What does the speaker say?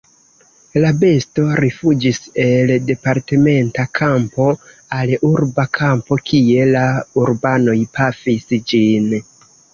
La besto rifuĝis el departementa kampo al urba kampo, kie la urbanoj pafis ĝin.